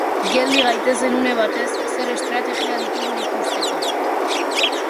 Geldi gaitezen une batez, zer estrategia ditugun ikusteko.